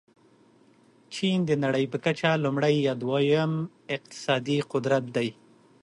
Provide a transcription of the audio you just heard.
چین د نړۍ په کچه لومړی یا دوم اقتصادي قدرت دی.